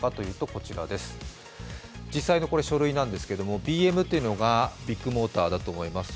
これ、実際の書類なんですが、ＢＭというのがビッグモーターだと思います。